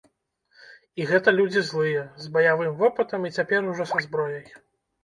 І гэта людзі злыя, з баявым вопытам і цяпер ужо са зброяй.